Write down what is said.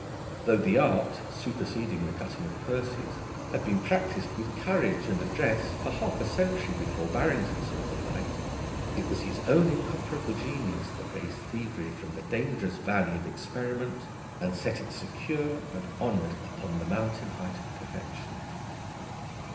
Though the art, superseding the cutting of purses, had been practised with courage and address for half a century before Barrington saw the light, it was his own incomparable genius that raised thievery from the dangerous valley of experiment, and set it, secure and honoured, upon the mountain height of perfection.